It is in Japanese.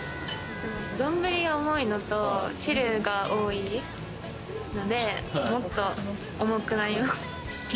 丼が重いのと、汁が多いのでもっと重くなります。